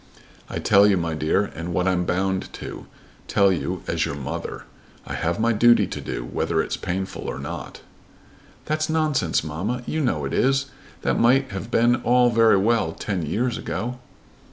"I tell you, my dear, what I'm bound to tell you as your mother. I have my duty to do whether it's painful or not." "That's nonsense, mamma. You know it is. That might have been all very well ten years ago."